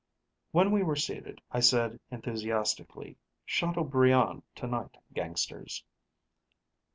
When we were seated, I said enthusiastically, "Chateaubriand tonight, gangsters."